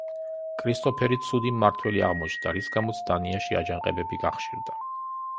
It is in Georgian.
კრისტოფერი ცუდი მმართველი აღმოჩნდა, რის გამოც დანიაში აჯანყებები გახშირდა.